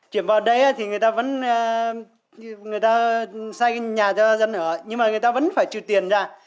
chuyển vào đây thì người ta vẫn người ta xây cái nhà cho dân ở nhưng mà người ta vẫn phải trừ tiền ra